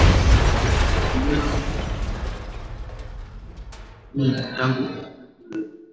Mapigano baina ya polisi yameuwa takriban watu mia tangu wakati huo